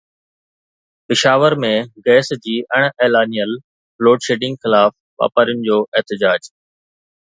Peshawar ۾ gas جي اڻ اعلانيل لوڊشيڊنگ خلاف واپارين جو احتجاج